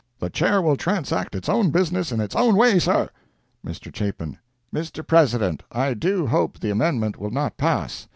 The Chair will transact its own business in its own way, sir." Mr. Chapin—"Mr. President: I do hope the amendment will not pass.